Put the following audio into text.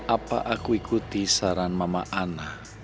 apa aku ikuti saran mama ana